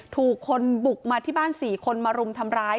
ถูกคนบุกมาที่บ้าน๔คนมารุมทำร้าย